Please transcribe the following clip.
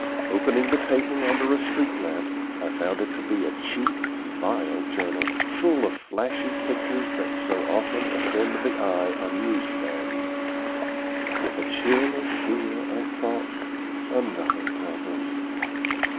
Opening the paper under a street lamp, I found it to be a cheap, vile journal, full of flashy pictures that so often offend the eye on news stands. With a chill of fear I thought, "Another problem."